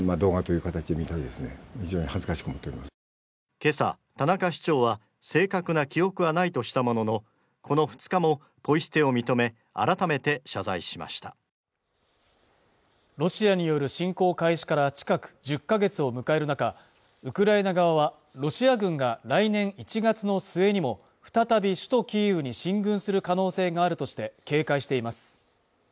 今朝田中市長は正確な記憶はないとしたもののこの２日もポイ捨てを認め改めて謝罪しましたロシアによる侵攻開始から近く１０か月を迎える中ウクライナ側はロシア軍が来年１月の末にも再び首都キーウに進軍する可能性があるとして警戒しています